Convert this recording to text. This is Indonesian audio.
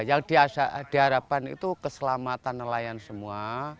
yang diharapkan itu keselamatan nelayan semua